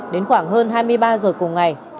đến khoảng hơn hai mươi ba h cùng ngày